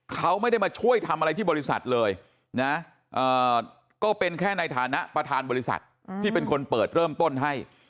เขาไม่ได้มาช่วยทำอะไรที่บริษัทเลยนะก็เป็นแค่ในฐานะประธานบริษัทที่เป็นคนเปิดเริ่มต้นให้